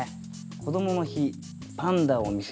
「こどもの日パンダを見せる肩車」。